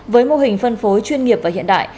với mô hình phân phối chuyên nghiệp và hiện đại